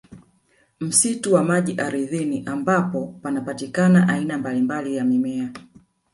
Msitu wa maji ardhini ambapo panapatikana aina mbalimbali ya mimea